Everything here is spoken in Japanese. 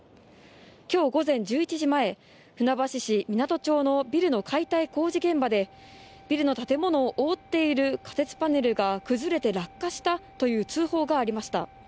今日午前１１時前、船橋市湊町のビルの解体工事現場でビルの建物を覆っている仮設パネルが崩れて落下したという通報がありました。